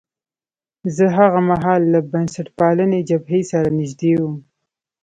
زه هاغه مهال له بنسټپالنې جبهې سره نژدې وم.